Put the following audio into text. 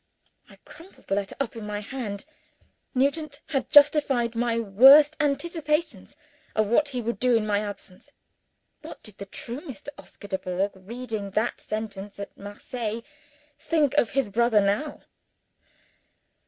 I crumpled the letter up in my hand. Nugent had justified my worst anticipations of what he would do in my absence. What did the true Mr. Oscar Dubourg, reading that sentence at Marseilles, think of his brother now?